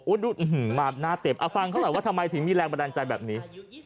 มาหน้าเต็มเอาฟังเขาหน่อยว่าทำไมถึงมีแรงบันดาลใจแบบนี้